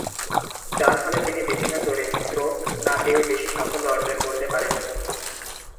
যার ফলে তিনি বিভিন্ন চরিত্র না পেয়ে বেশি সাফল্য অর্জন করতে পারেননি।